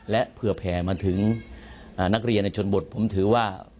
และเผื่อแผ่มาถึงนักเรียนในชนบทผมถือว่า